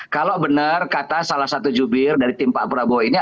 kalau benar kata salah satu jubir dari tim pak prabowo ini